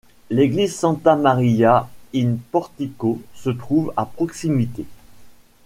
L'église Santa Maria in Portico se trouve à proximité.